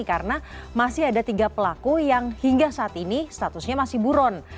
karena masih ada tiga pelaku yang hingga saat ini statusnya masih buron